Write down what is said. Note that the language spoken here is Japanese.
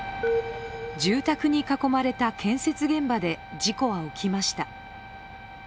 住宅に囲まれた建設現場で事故は起きました。